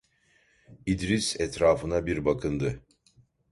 İdris etrafına bir bakındı…